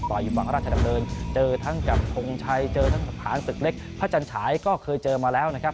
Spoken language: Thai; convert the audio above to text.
อยู่ฝั่งราชดำเนินเจอทั้งกับทงชัยเจอทั้งสถานศึกเล็กพระจันฉายก็เคยเจอมาแล้วนะครับ